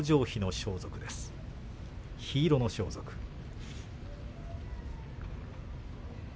ひ色の装束です。